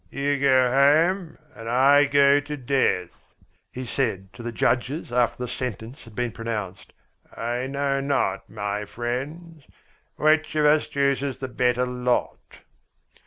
You go home and I go to death," he said to the judges after the sentence had been pronounced. "I know not, my friends, which of us chooses the better lot!"